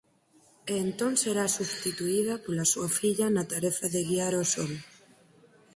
E entón será substituída pola súa filla na tarefa de guiar o Sol.